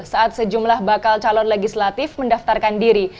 saat sejumlah bakal calon legislatif mendaftarkan diri